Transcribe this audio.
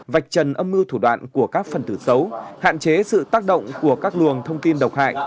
vạch trần âm mưu thủ đoạn của các phần tử xấu hạn chế sự tác động của các luồng thông tin độc hại